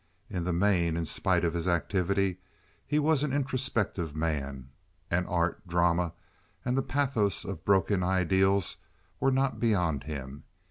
In the main, in spite of his activity, he was an introspective man, and art, drama, and the pathos of broken ideals were not beyond him.